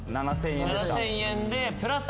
７０００円ですかプラス